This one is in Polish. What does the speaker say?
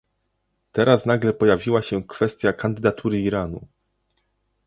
Teraz nagle pojawiła się kwestia kandydatury Iranu